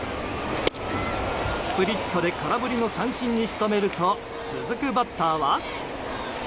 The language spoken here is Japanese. スプリットで空振りの三振に仕留めると続くバッターは。